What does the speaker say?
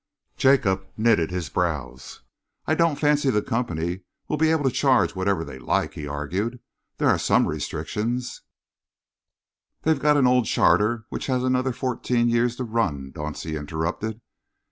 Jacob knitted his brows. "I don't fancy the company will be able to charge whatever they like," he argued. "There are some restrictions " "They've got an old charter which has another fourteen years to run," Dauncey interrupted.